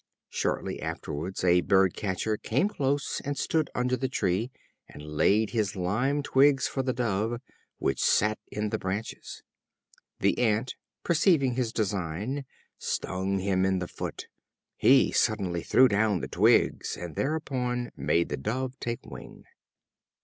Shortly afterwards a bird catcher came close and stood under the tree, and laid his lime twigs for the Dove, which sat in the branches. The Ant, perceiving his design, stung him in the foot. He suddenly threw down the twigs, and thereupon made the Dove take wing.